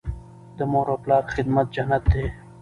د مور او پلار خدمت جنت دی.